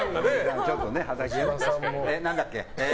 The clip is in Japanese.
何だっけ？